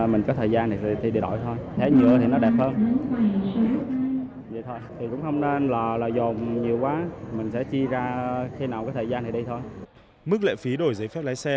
mức lệ phí đổi giấy phép lái xe